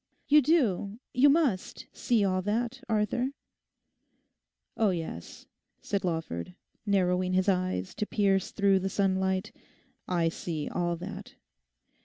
You do, you must see all that, Arthur?' 'Oh yes,' said Lawford, narrowing his eyes to pierce through the sunlight, 'I see all that.